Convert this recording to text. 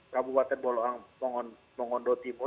kabupaten boloang mongondo timur